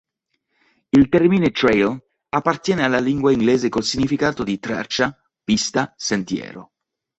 Il termine "trail" appartiene alla lingua inglese col significato di "traccia", "pista", "sentiero".